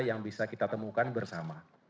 yang bisa kita temukan bersama